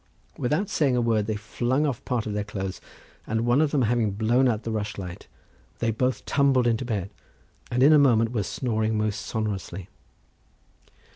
Without saying a word they flung off part of their clothes, and one of them having blown out the rushlight, they both tumbled into bed, and in a moment were snoring most sonorously.